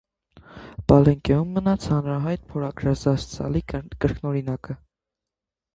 Պալենկեում մնաց հանրահայտ փորագրազարդ սալի կրկնօրինակը։